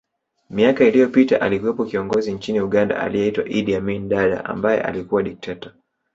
Miaka iliyopita alikuwepo kiongozi nchini Uganda aliyeitwa Idd Amin Dada ambaye alikuwa dikteta